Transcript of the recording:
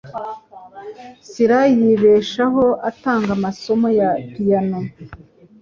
Sally yibeshaho atanga amasomo ya piyano.